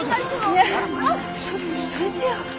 いやそっとしといてよ。